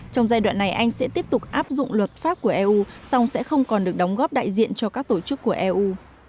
trong giai đoạn này anh sẽ tiếp tục áp dụng luật pháp của eu song sẽ không còn được đóng góp đại diện cho các tổ chức của eu